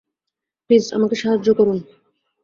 Please আমাকে সাহায্য করুন।